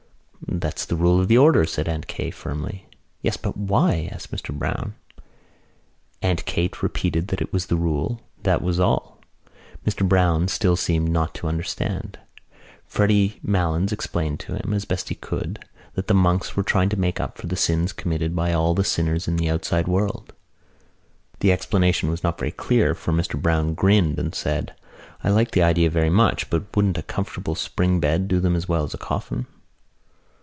"That's the rule of the order," said Aunt Kate firmly. "Yes, but why?" asked Mr Browne. Aunt Kate repeated that it was the rule, that was all. Mr Browne still seemed not to understand. Freddy Malins explained to him, as best he could, that the monks were trying to make up for the sins committed by all the sinners in the outside world. The explanation was not very clear for Mr Browne grinned and said: "I like that idea very much but wouldn't a comfortable spring bed do them as well as a coffin?"